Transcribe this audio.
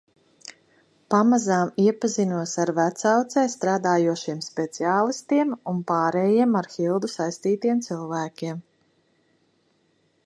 Pamazām iepazinos ar Vecaucē strādājošajiem speciālistiem un pārējiem ar Hildu saistītiem cilvēkiem.